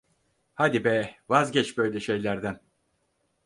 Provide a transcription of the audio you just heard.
Hadi be, vazgeç böyle şeylerden.